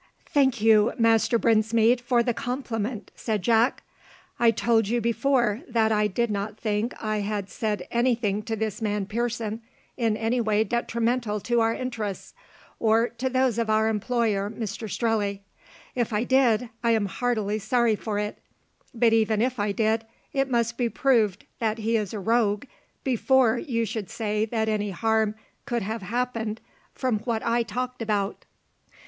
"Thank you, Master Brinsmead, for the compliment," said Jack. "I told you before that I did not think I had said any thing to this man Pearson in any way detrimental to our interests, or to those of our employer, Mr Strelley. If I did, I am heartily sorry for it: but even if I did, it must be proved that he is a rogue before you should say that any harm could have happened from what I talked about."